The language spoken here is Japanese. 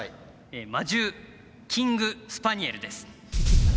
「魔獣キングスパニエル」です。